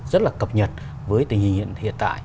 rất là cập nhật với tình hình hiện tại